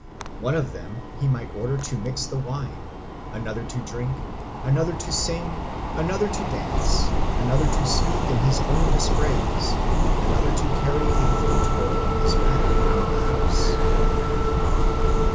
One of them he might order to mix the wine, another to drink, another to sing, another to dance, another to speak in his own dispraise, another to carry a flute girl on his back round the house.